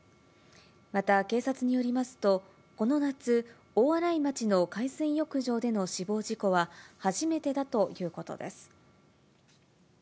また、警察によりますと、この夏、大洗町の海水浴場での死亡事故は、初めてだということです。